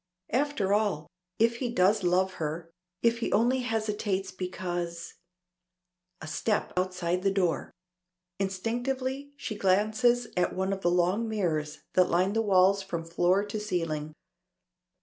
After all if he does love her if he only hesitates because A step outside the door! Instinctively she glances at one of the long mirrors that line the walls from floor to ceiling.